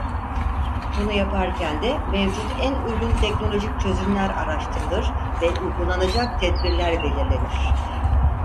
Bunu yaparken de mevcut en uygun teknolojik çözümler araştırılır ve uygulanacak tedbirler belirlenir.